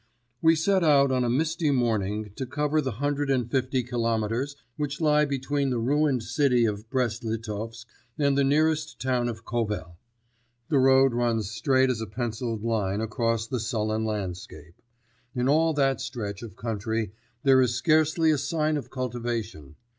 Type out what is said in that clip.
We set out on a misty morning to cover the hundred and fifty kilometres which lie between the ruined city of Brest Litovsk and the nearest town of Kovel. The road runs straight as a pencilled line across the sullen landscape. In all that stretch of country there is scarcely a sign of cultivation.